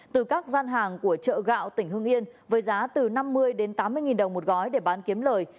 từ các gian hàng của chợ gạo tỉnh hưng yên với giá từ năm mươi đến tám mươi nghìn đồng một gói để bán kiếm lời